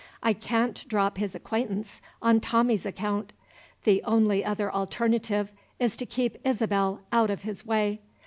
I can't drop his acquaintance, on Tommie's account. The only other alternative is to keep Isabel out of his way.